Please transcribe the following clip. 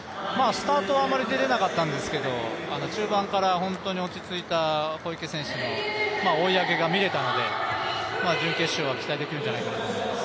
スタートはあまりでれなかったんですけど、中盤から本当に落ち着いた小池選手の追い上げが見れたので、準決勝は期待できるんじゃないかと思います。